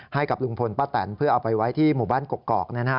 ให้กับลุงพลป้าแตนเพื่อเอาไปไว้ที่หมู่บ้านกกอก